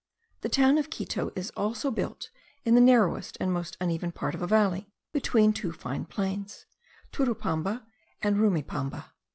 The town of Quito is also built in the narrowest and most uneven part of a valley, between two fine plains, Turupamba and Rumipamba.